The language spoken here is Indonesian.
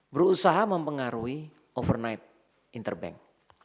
berusaha mempengaruhi overnight interbank